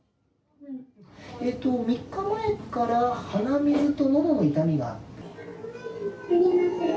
３日前から鼻水とのどの痛みがある？